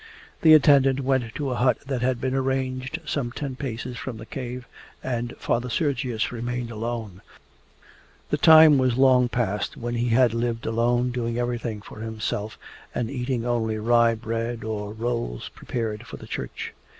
The attendant went to a hut that had been arranged some ten paces from the cave, and Father Sergius remained alone. The time was long past when he had lived alone doing everything for himself and eating only rye bread, or rolls prepared for the Church.